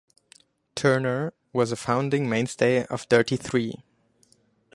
Turner was a founding mainstay of Dirty Three.